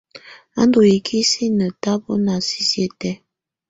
A ndù ikisinǝ tabɔna sisiǝ́ tɛ̀á.